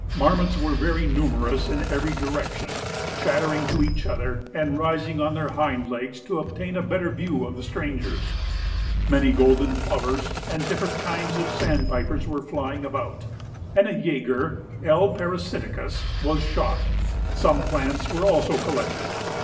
Marmots were numerous in every direction, chattering to each other, and rising on their hind legs to obtain a better view of the strangers. Many golden plovers and different kinds of sandpipers were flying about, and a jager (L. parasiticus) was shot: some plants were also collected.